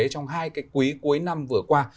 trong hai cái quý cuối năm vừa qua